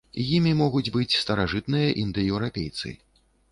Імі могуць быць старажытныя індаеўрапейцы.